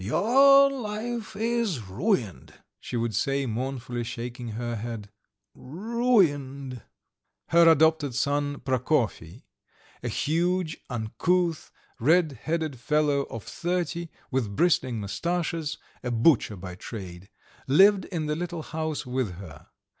"Your life is ruined," she would say, mournfully shaking her head, "ruined." Her adopted son Prokofy, a huge, uncouth, red headed fellow of thirty, with bristling moustaches, a butcher by trade, lived in the little house with her.